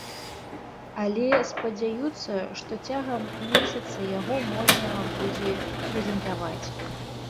Але спадзяюцца, што цягам месяца яго можна будзе прэзентаваць.